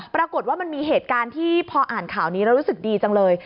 ปรากฏว่ามันมีเหตุการณ์ที่พออ่านข่าวนี้แล้วรู้สึกดีจังเลย